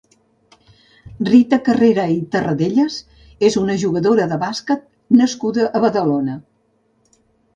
Rita Carrera i Terradellas és una jugadora de bàsquet nascuda a Badalona.